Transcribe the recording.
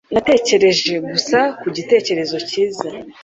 Natekereje gusa ku gitekerezo cyiza.